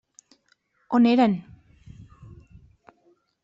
On eren?